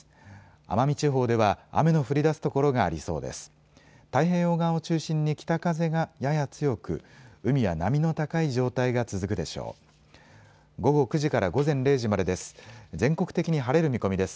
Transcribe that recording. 奄美地方では雨の降りだす所がありそうです。